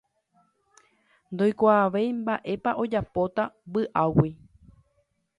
ndoikuaavéi mba'épa ojapóta vy'águi.